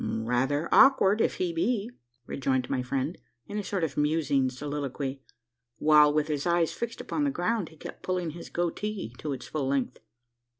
"Rather awkward, if he be," rejoined my friend, in a sort of musing soliloquy; while, with his eyes fixed upon the ground, he kept pulling his "goatee" to its full length.